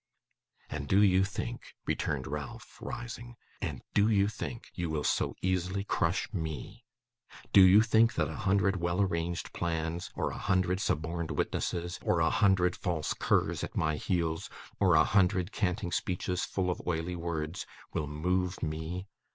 'And do you think,' returned Ralph, rising, 'and do you think, you will so easily crush ME? Do you think that a hundred well arranged plans, or a hundred suborned witnesses, or a hundred false curs at my heels, or a hundred canting speeches full of oily words, will move me?